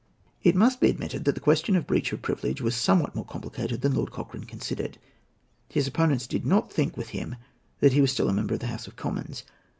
It must be admitted that the question of breach of privilege was somewhat more complicated than Lord Cochrane considered. His opponents did not think with him that he was still a member of the House of Commons.